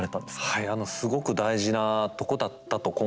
はいあのすごく大事なとこだったと今回思ってます。